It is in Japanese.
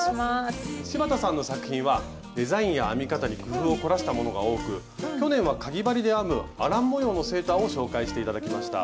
柴田さんの作品はデザインや編み方に工夫を凝らしたものが多く去年はかぎ針で編むアラン模様のセーターを紹介して頂きました。